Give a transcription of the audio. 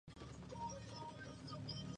Go moriría más tarde por las heridas.